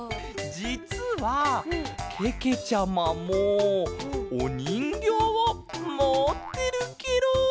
じつはけけちゃまもおにんぎょうをもってるケロ。